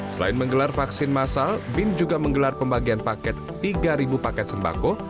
selain menggelar vaksin masal bin juga menggelar pembagian paket tiga paket sembako